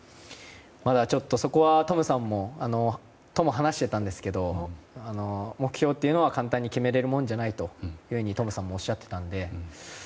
まだそこはトムさんとも話してたんですけど目標というのは簡単に決めれるもんじゃないとトムさんもおっしゃっていたので。